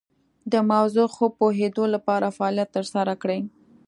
د موضوع ښه پوهیدو لپاره فعالیت تر سره کړئ.